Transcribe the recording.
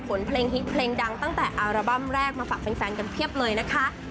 เพลงฮิตเพลงดังตั้งแต่อัลบั้มแรกมาฝากแฟนกันเพียบเลยนะคะ